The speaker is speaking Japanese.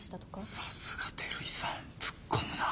さすが照井さんぶっ込むなぁ。